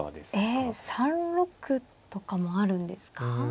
ええ３六とかもあるんですか。